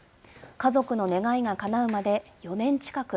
家族の願いがかなうまで、４年近く。